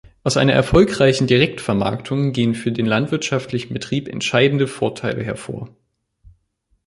Aus einer erfolgreichen Direktvermarktung gehen für den landwirtschaftlichen Betrieb entscheidende Vorteile hervor.